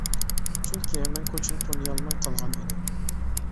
چۈنكى مەن كوچىنى تونۇيالماي قالغان ئىدىم.